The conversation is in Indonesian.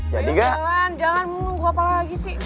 ya jalan jalan mau gue apa lagi sih